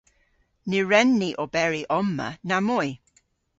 Ny wren ni oberi omma namoy.